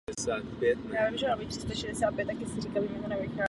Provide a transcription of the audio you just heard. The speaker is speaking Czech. Ty musí prozatímní prezident vyhlásit do dvou týdnů od příchodu do funkce.